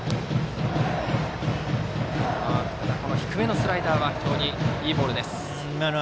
ただ低めのスライダーは非常にいいボールです。